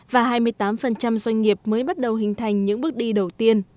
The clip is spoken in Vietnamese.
và hai mươi tám doanh nghiệp mới bắt đầu hình thành những bước đi đầu tiên